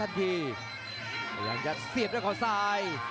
ร่องไหนกดลงมาเสียบด้วยซ้าย